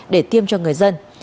để tiêm cho người dân